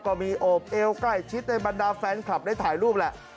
โอบเอวใกล้ชิดในบรรดาแฟนคลับได้ถ่ายรูปแหละ